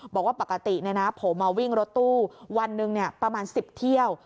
บอกว่าปกติผมวิ่งรถตู้วันหนึ่งประมาณ๑๐เที่ยว